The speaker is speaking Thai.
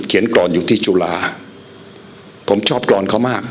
กรอนอยู่ที่จุฬาผมชอบกรอนเขามาก